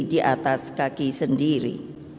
di atas kaki sendiri